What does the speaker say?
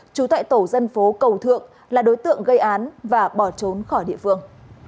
trú tại tổ dân phố cầu thượng là đối tượng gây án và bỏ trốn khỏi địa phương